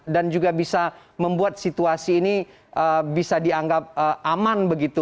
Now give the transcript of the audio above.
dan juga bisa membuat situasi ini bisa dianggap aman begitu